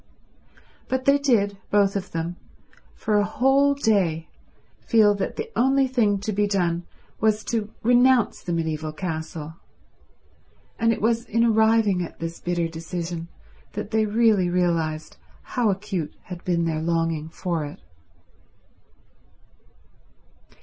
But they did, both of them, for a whole day feel that the only thing to be done was to renounce the mediaeval castle; and it was in arriving at this bitter decision that they really realized how acute had been their longing for it.